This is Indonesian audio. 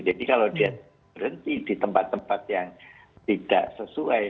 jadi kalau dia berhenti di tempat tempat yang tidak sesuai